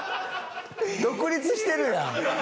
独立してるやん。